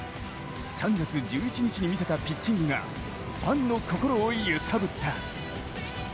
３月１１日に見せたピッチングが、ファンの心を揺さぶった。